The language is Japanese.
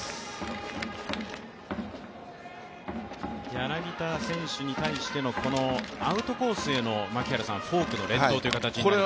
柳田選手に対してのこのアウトコースへのフォークの連投という形になりますが。